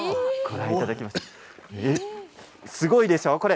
すごいでしょ？